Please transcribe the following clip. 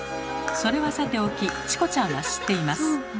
それはさておきチコちゃんは知っています。